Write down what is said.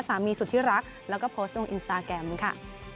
สุดที่รักแล้วก็โพสต์ลงอินสตาแกรมค่ะ